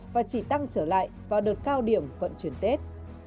và chỉ tăng trở lại vào đợt cao điểm vận chuyển tết